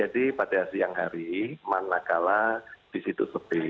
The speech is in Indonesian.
jadi pada siang hari mana kalah di situ sepi